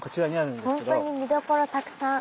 ほんとに見どころたくさん。